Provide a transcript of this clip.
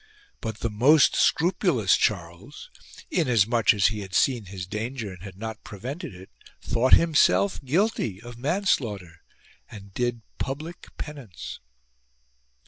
But the most scrupulous Charles, inasmuch as he had seen his danger and had not prevented it, thought himself guilty of man slaughter arid did public penance.